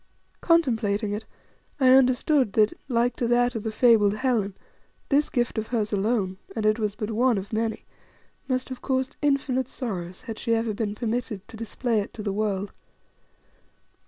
Contemplating it, I understood indeed that, like to that of the fabled Helen, this gift of hers alone and it was but one of many must have caused infinite sorrows, had she ever been permitted to display it to the world.